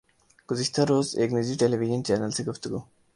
گزشتہ روز ایک نجی ٹیلی وژن چینل سے گفتگو